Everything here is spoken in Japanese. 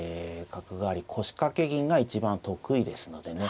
角換わり腰掛け銀が一番得意ですのでね